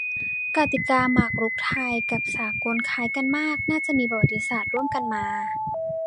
กติกาหมากรุกไทยกับสากลคล้ายกันมาก น่าจะมีประวัติศาสตร์ร่วมกันมา